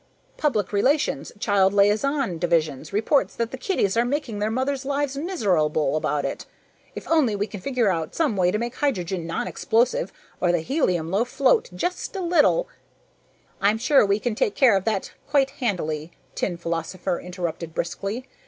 Public Relations, Child Liaison Division, reports that the kiddies are making their mothers' lives miserable about it. If only we can figure out some way to make hydrogen non explosive or the helium loaf float just a little " "I'm sure we can take care of that quite handily," Tin Philosopher interrupted briskly.